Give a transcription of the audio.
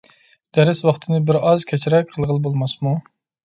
دەرس ۋاقتىنى بىرئاز كەچرەك قىلغىلى بولماسمۇ؟